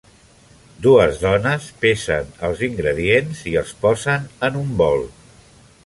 Dues dones pesen els ingredients i els posen en un bol.